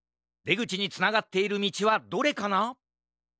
でぐちにつながっているみちはどれかな？